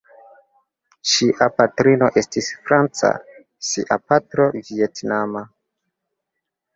Ŝia patrino estis franca, ŝia patro vjetnama.